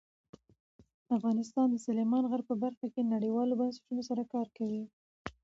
افغانستان د سلیمان غر په برخه کې نړیوالو بنسټونو سره کار کوي.